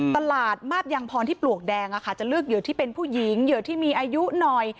ตลาดมาบยังพรที่ปลวกแดงจะเลือกเหยื่อที่เป็นผู้หญิงเหยื่อที่มีอายุหน่อย